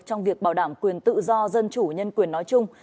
trong việc bảo đảm quyền tự do dân chủ nhân quyền nói chung